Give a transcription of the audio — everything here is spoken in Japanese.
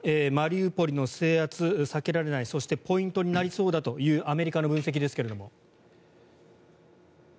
マリウポリの制圧は避けられないそしてポイントになりそうだというアメリカの分析ですが。